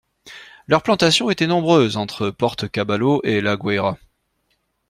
Leurs plantations étaient nombreuses entre Porte-Caballo et La Guayra.